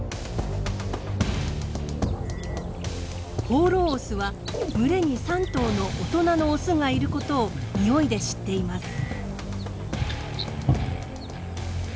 放浪オスは群れに３頭の大人のオスがいることをニオイで知っています。